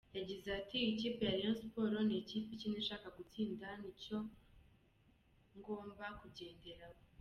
Yagizea ati “Ikipe ya Rayon Sports n’ikipe ikina ishaka gutsinda nicyo ngomba kugenderaho.